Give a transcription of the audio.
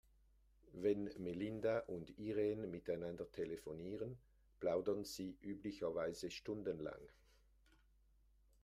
Wenn Melinda und Irene miteinander telefonieren, plaudern sie üblicherweise stundenlang.